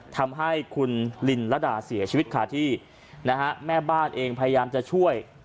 ทำให้คุณลินระดาเสียชีวิตคาที่นะฮะแม่บ้านเองพยายามจะช่วย